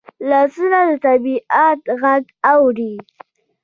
لاسونه د طبیعت غږ اوري